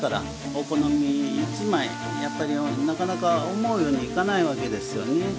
お好み一枚やっぱりなかなか思うようにはいかないわけですよね。